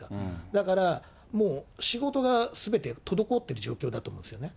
だからもう、仕事がすべて滞っている状況だと思うんですよね。